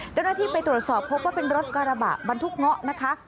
เจ้าหน้าที่ไปตรวจสอบพบว่าเป็นรถกระบะบรรทุกเงาะนะคะ